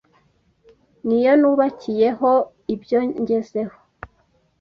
Ni yo nubakiyeho ibyo ngezeho!